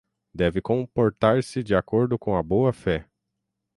deve comportar-se de acordo com a boa-fé